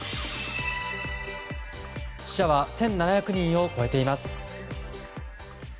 死者は１７００人を超えています。